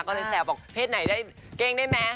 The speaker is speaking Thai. ก็เลยแสดงบอกเพศไหนเก้งได้ไหม